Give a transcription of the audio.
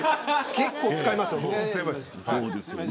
結構、使いますよ、喉。